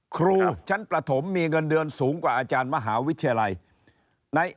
ครูชั้นประถมมีเงินเดือนสูงกว่าอาจารย์มหาวิทยาลัย